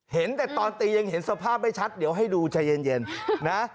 เห็นแต่ตอนตียังเห็นสภาพไม่ชัดเดี๋ยวให้ดูใจเย็นนะ